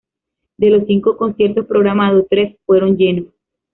De los cinco conciertos programados, tres fueron lleno.